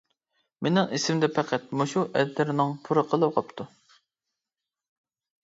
مېنىڭ ئېسىمدە پەقەت مۇشۇ ئەتىرنىڭ پۇرىقىلا قاپتۇ.